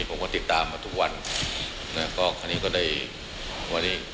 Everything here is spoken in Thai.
ผมก็ติดตามมาทุกวัน